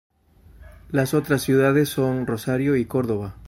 Las otras ciudades son Rosario y Córdoba.